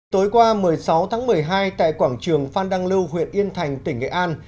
tối qua một mươi sáu tháng một mươi hai tại quảng trường phan đăng lưu huyện yên thành tỉnh nghệ an